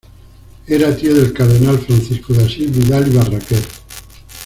Era tío del cardenal Francisco de Asís Vidal y Barraquer.